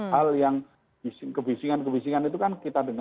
hal yang kebisingan kebisingan itu kan kita dengar